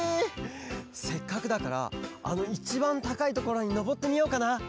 せっかくだからあのいちばんたかいところにのぼってみようかな。